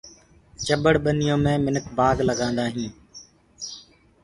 چٻڙ ڀنيو مي منک بآگ لگآندآ هينٚ۔